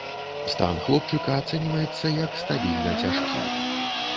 Стан хлопчыка ацэньваецца як стабільна цяжкі.